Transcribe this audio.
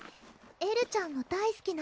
エルちゃんの大すきな